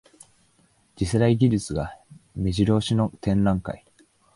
次世代技術がめじろ押しの展覧会